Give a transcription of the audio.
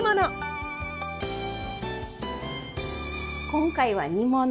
今回は煮物。